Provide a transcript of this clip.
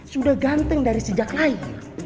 sudah ganteng dari sejak lain